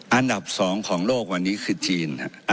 อันดับ๒ของโลกวันนี้คือจีน